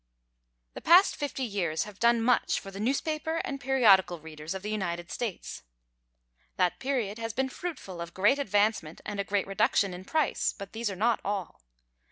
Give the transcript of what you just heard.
The past fifty years have done much for the newspaper and periodical readers of the United States. That period has been fruitful of great advancement and a great reduction in price, but these are not all.